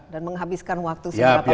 dan menghabiskan waktu seberapa banyak